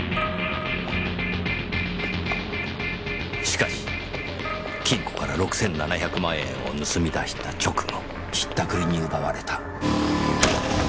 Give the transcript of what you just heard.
しかし金庫から６７００万円を盗み出した直後引ったくりに奪われた。